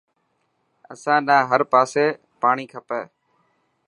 اسان نا هر پاسي پاڻي کپي.